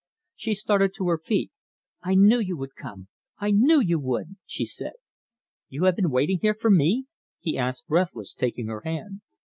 She started to her feet. "I knew you would come I knew you would!" she said. "You have been waiting here for me?" he asked breathless, taking her hand.